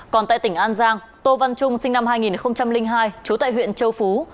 còn tại tỉnh an giang tô văn trung sinh năm hai nghìn hai trú tại huyện châu phú